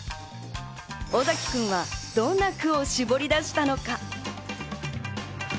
尾崎君はどんな句を絞り出したのか。